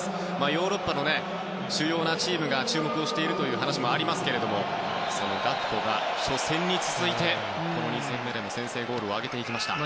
ヨーロッパの主要チームが注目しているという話もありますがガクポが初戦に続いて２戦目でも先制ゴールを挙げました。